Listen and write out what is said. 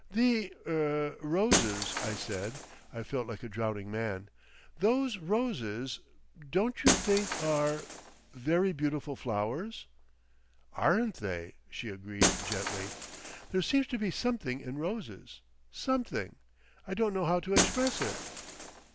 "The—er—Roses," I said. I felt like a drowning man. "Those roses—don't you think they are—very beautiful flowers?" "Aren't they!" she agreed gently. "There seems to be something in roses—something—I don't know how to express it."